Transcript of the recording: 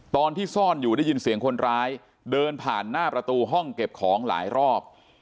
ตอนที่ซ่อนอยู่ได้ยินเสียงคนร้ายเดินผ่านหน้าประตูห้องเก็บของหลายรอบ